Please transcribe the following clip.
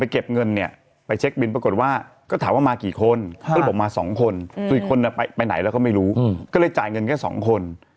ก็เลยบอกมา๒คนส่วนอีกคนไปไหนแล้วก็ไม่รู้ก็เลยจ่ายเงินแค่๒คน